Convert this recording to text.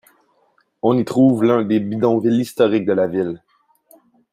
On y trouve l'un des bidonvilles historiques de la ville.